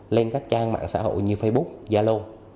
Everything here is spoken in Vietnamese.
lên các trang mạng xã hội như facebook yalo